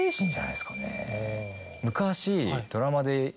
昔。